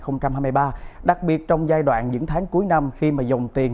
năm hai nghìn hai mươi ba đặc biệt trong giai đoạn những tháng cuối năm khi mà dòng tiền